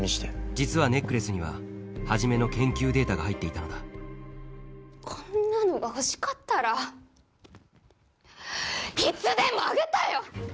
実はネックレスには始の研究データが入っていたのだこんなのが欲しかったらいつでもあげたよ！